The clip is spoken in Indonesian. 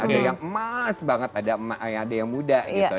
ada yang emas banget ada yang muda gitu